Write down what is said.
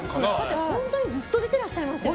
本当にずっと出てらっしゃいましたよね。